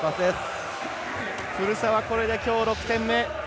古澤、これできょう６点目。